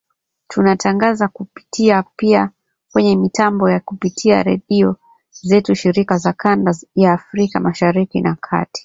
tunatangaza kupitia pia kwenye mitambo ya kupitia redio zetu shirika za kanda ya Afrika Mashariki na Kati